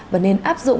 và nên áp dụng